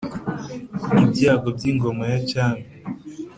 ibyago byingoma ya cyami.